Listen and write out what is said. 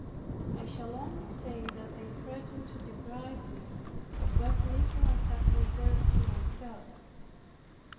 I shall only say, that they threatened to deprive me of what little I had reserved to myself.